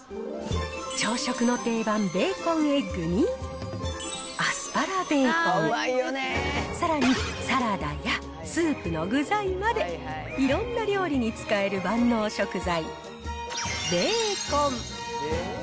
朝食の定番、ベーコンエッグに、アスパラベーコン、さらに、サラダやスープの具材まで、いろんな料理に使える万能食材、ベーコン。